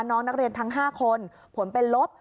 น้องนักเรียนทั้ง๕คนผลเป็นลบ